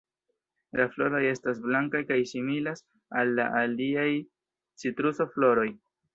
La floroj estas blankaj kaj similas al la aliaj "Citruso"-floroj.